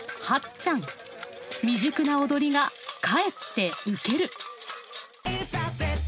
未熟な踊りがかえって受ける。